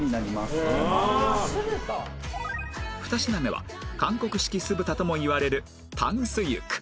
２品目は韓国式酢豚ともいわれるタンスユク